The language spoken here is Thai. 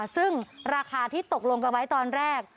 ซึ่งราคาที่ตกลงกันไว้ตอนแรก